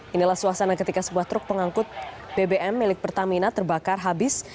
inilah suasana ketika sebuah truk pengangkut bbm milik pertamina terbakar habis